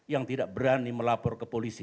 yang tidak berani melapor ke polisi